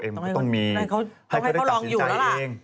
มันก็ต้องมีให้เขาได้จัดสินใจเอง